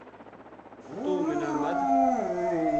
توہ منا مدھ